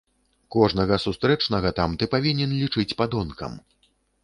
Кожнага сустрэчнага там ты павінен лічыць падонкам.